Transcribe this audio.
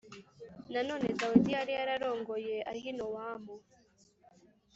Nanone Dawidi yari yararongoye Ahinowamu